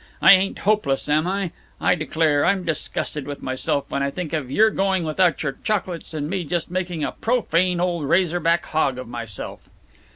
I ain't hopeless, am I? I declare, I'm disgusted with myself when I think of your going without your chocolates and me just making a profane old razorback hog of myself."